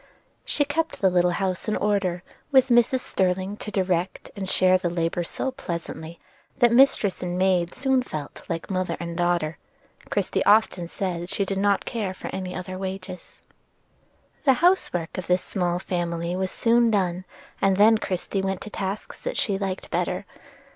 She kept the little house in order, with Mrs. Sterling to direct and share the labor so pleasantly, that mistress and maid soon felt like mother and daughter, and Christie often said she did not care for any other wages. The house work of this small family was soon done, and then Christie went to tasks that she liked better.